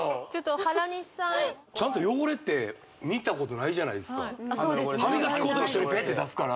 ちょっと原西さんちゃんと汚れって見たことないじゃないですかそうですねないです